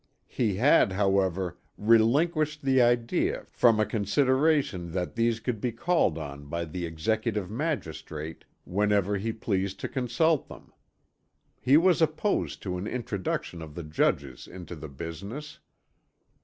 He had however relinquished the idea from a consideration that these could be called on by the Executive Magistrate whenever he pleased to consult them. He was opposed to an introduction of the judges into the business."